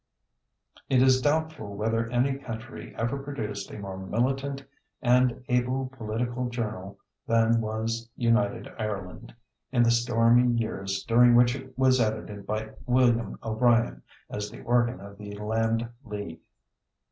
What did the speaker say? It is doubtful whether any country ever produced a more militant and able political journal than was United Ireland in the stormy years during which it was edited by William O'Brien as the organ of the Land League.